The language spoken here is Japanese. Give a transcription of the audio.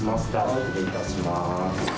失礼いたします。